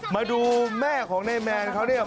มาดูแม่ของนายแมนเขาเนี่ย